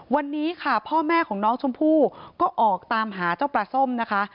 วันนี้ค่ะพ่อแม่ของน้องชมพู่ก็ออกตามหาเจ้าปลาส้มนะคะ